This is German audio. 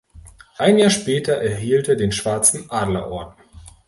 Ein Jahr später erhielt er den Schwarzen Adlerorden.